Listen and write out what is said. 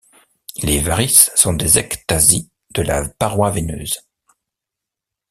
Les varices sont des ectasies de la paroi veineuse.